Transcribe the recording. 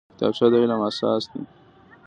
کتابچه د علم اساس دی